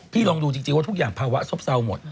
ลองดูจริงว่าทุกอย่างภาวะซบเศร้าหมด